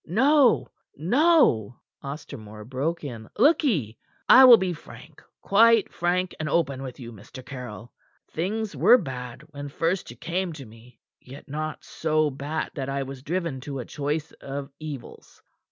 "No, no," Ostermore broke in. "Look'ee! I will be frank quite frank and open with you, Mr. Caryll. Things were bad when first you came to me. Yet not so bad that I was driven to a choice of evils.